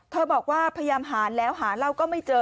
บอกว่าพยายามหาแล้วหาเหล้าก็ไม่เจอ